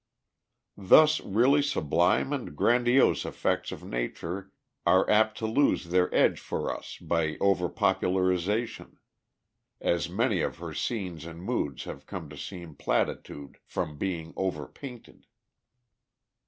Thus really sublime and grandiose effects of Nature are apt to lose their edge for us by over popularization, as many of her scenes and moods have come to seem platitude from being over painted.